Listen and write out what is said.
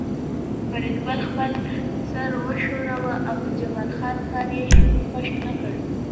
فریدګل خپل سر وښوراوه او د جمال خان کار یې خوښ نکړ